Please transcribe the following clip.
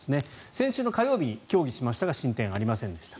先週火曜日の協議しましたが進展ありませんでした。